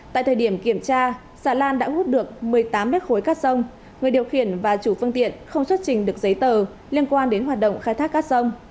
tại thời điểm kiểm tra xà lan đã hút được một mươi tám mét khối cát sông người điều khiển và chủ phương tiện không xuất trình được giấy tờ liên quan đến hoạt động khai thác cát sông